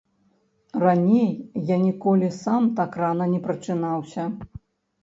Раней я ніколі сам так рана не прачынаўся.